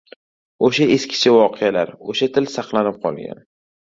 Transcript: O‘sha eskicha voqealar, o‘sha til saqlanib qolgan.